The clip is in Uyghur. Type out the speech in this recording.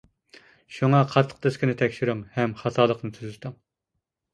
شۇڭا قاتتىق دىسكىنى تەكشۈرۈڭ ھەم خاتالىقىنى تۈزىتىڭ.